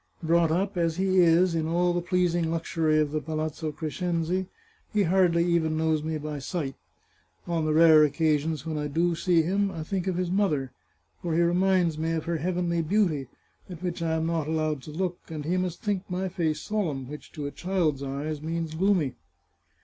Brought up, as he is, in all the pleasing luxury of the Palazzo Crescenzi, he hardly even knows me by sight. On the rare occasions when I do see him, I think of his mother, for he reminds me of her heavenly beauty, at which I am not allowed to look, and he must think my face solemn, which, to a child's eyes, means gloomy."